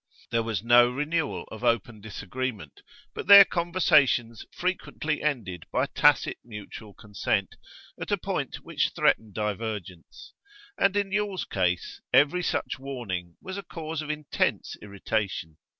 There was no renewal of open disagreement, but their conversations frequently ended by tacit mutual consent, at a point which threatened divergence; and in Yule's case every such warning was a cause of intense irritation.